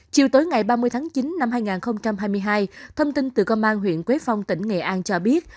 chiều tối ngày ba mươi tháng chín năm hai nghìn hai mươi hai thông tin từ công an huyện quế phong tỉnh nghệ an cho biết